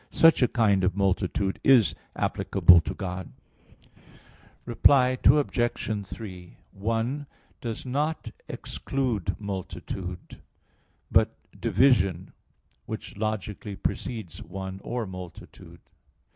Such a kind of multitude is applicable to God. Reply Obj. 3: "One" does not exclude multitude, but division, which logically precedes one or multitude.